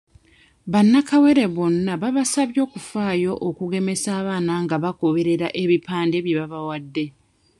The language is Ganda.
Bannakawere bonna babasabye okufaayo okugemesa abaana nga bagoberera ebipande bye babawadde.